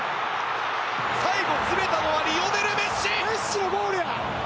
最後、詰めたのはリオネル・メッシ。